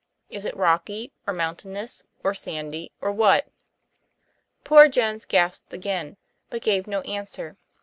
Is it rocky, or mountainous, or sandy, or what? Poor Jones gasped again, but gave no answer.